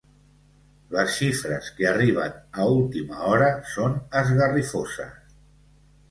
Les xifres que arriben a última hora són esgarrifoses.